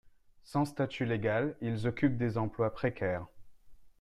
Sans statut légal, ils occupent des emplois précaires.